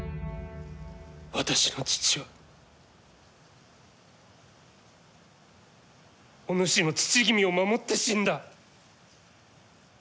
私の父はお主の父君を守って死んだ。